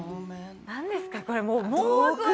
なんですか、これ。